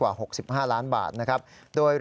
นายยกรัฐมนตรีพบกับทัพนักกีฬาที่กลับมาจากโอลิมปิก๒๐๑๖